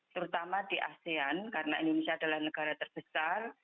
terutama di asean karena indonesia adalah negara terbesar